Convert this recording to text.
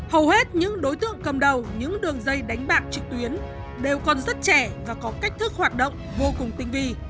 hầu hết những đối tượng cầm đầu những đường dây đánh bạc trực tuyến đều còn rất trẻ và có cách thức hoạt động vô cùng tinh vi